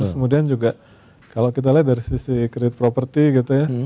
kemudian juga kalau kita lihat dari sisi create property gitu ya